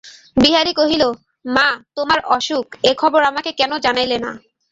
বিহারী কহিল, মা, তোমার অসুখ, এ খবর আমাকে কেন জানাইলে না।